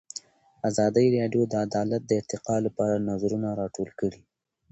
ازادي راډیو د عدالت د ارتقا لپاره نظرونه راټول کړي.